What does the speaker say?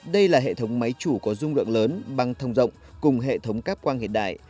đây là hệ thống máy chủ có dung lượng lớn băng thông rộng cùng hệ thống cáp quang hiện đại